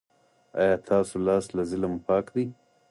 ایا ستاسو لاس له ظلم پاک دی؟